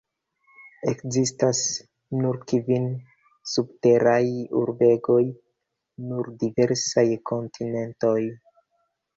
Ekzistas nur kvin subteraj urbegoj, sur diversaj kontinentoj.